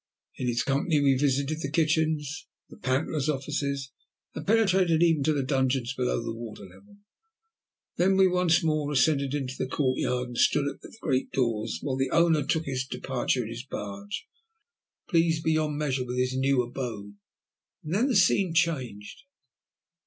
In his company we visited the kitchens, the pantler's offices, and penetrated even to the dungeons below the water level. Then we once more ascended to the courtyard, and stood at the great doors while the owner took his departure in his barge, pleased beyond measure with his new abode. Then the scene changed.